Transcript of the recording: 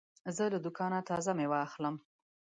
زه له دوکانه تازه مېوې اخلم.